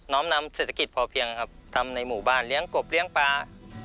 ้อมนำเศรษฐกิจพอเพียงครับทำในหมู่บ้านเลี้ยงกบเลี้ยงปลา